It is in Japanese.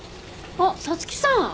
あっ皐月さん。